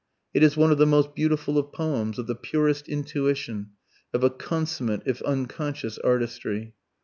It is one of the most beautiful of poems, of the purest intuition, of a consummate, if unconscious, artistry.